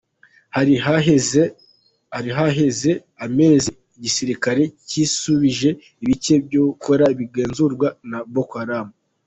Hari haheze amezi igisirikare cisubije ibice vyahora bigenzugwa na Boko Haram.